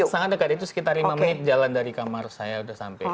sangat dekat itu sekitar lima menit jalan dari kamar saya sudah sampai